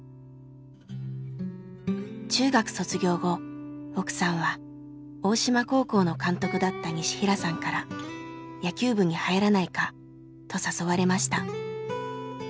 中学卒業後奥さんは大島高校の監督だった西平さんから野球部に入らないかと誘われました。